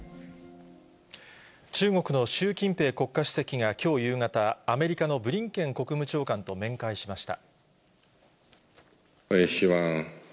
中国の習近平国家主席がきょう夕方、アメリカのブリンケン国務長官と面会しました。